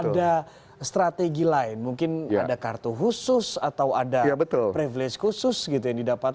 ada strategi lain mungkin ada kartu khusus atau ada privilege khusus gitu yang didapatkan